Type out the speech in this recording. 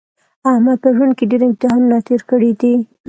احمد په ژوند کې ډېر امتحانونه تېر کړي دي.